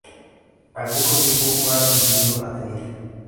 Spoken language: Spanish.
Al poco tiempo fue ascendido a teniente.